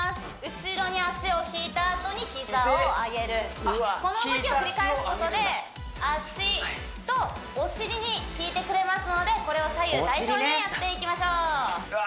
後ろに足を引いたあとに膝を上げるこの動きを繰り返すことでのでこれを左右対称にやっていきましょううわ